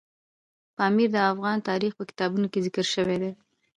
پامیر د افغان تاریخ په کتابونو کې ذکر شوی دی.